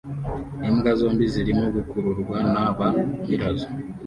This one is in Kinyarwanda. Imbwa zombi zirimo gukururwa na ba nyirazo